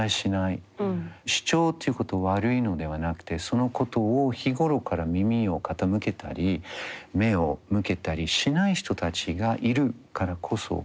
主張っていうこと悪いのではなくてそのことを日頃から耳を傾けたり目を向けたりしない人たちがいるからこそっていうふうに思うんですね。